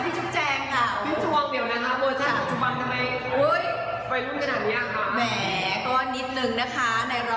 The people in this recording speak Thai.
พี่จวงเดี๋ยวนะฮะวัวชาติปัจจุบันทำไมไปรุ่นขนาดนี้ห้า